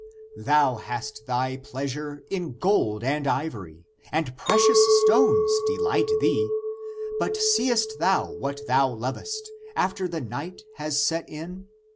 Thou hast thy pleasure in gold and ivory, and precious stones delight thee, but seest thou what thou lovest, after the night has set in?